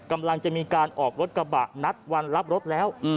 กำลังจะมีการออกรถกระบะนัดวันรับรถแล้ว